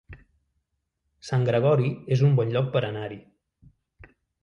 Sant Gregori es un bon lloc per anar-hi